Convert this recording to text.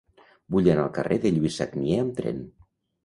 Vull anar al carrer de Lluís Sagnier amb tren.